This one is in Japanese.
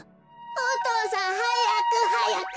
お父さんはやくはやく！はなかっ